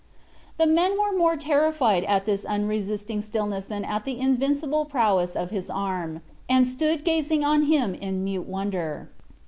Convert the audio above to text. The men were more terrified at this unresisting stillness than at the invincible prowess of his arm, and stood gazing on him in mute wonder.